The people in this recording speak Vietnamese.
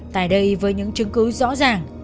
tại đây với những chứng cứ rõ ràng